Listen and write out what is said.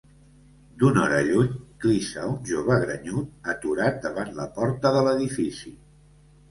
D'una hora lluny clissa un jove grenyut aturat davant la porta de l'edifici.